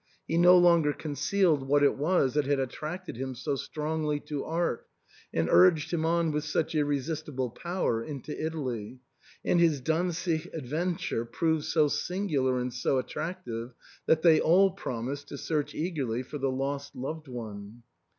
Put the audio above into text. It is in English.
He no longer concealed what it was that had attracted him so strongly to art, and urged him on with such ir resistible power into Italy ; and his Dantzic adventure proved so singular and so attractive that they all prom ised to search eagerly for the lost loved one.